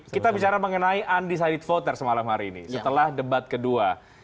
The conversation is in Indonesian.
kita bicara mengenai undecided voters malam hari ini setelah debat kedua